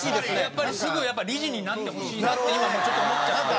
やっぱりすぐ理事になってほしいなって今もうちょっと思っちゃって。